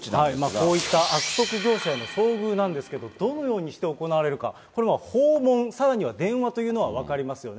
こういった悪徳業者への遭遇なんですが、どのようにして行われるか、これ、訪問、さらには電話というのは分かりますよね。